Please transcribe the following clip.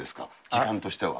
時間としては。